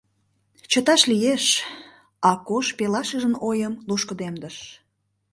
— Чыташ лиеш, — Акош пелашыжын ойым лушкыдемдыш.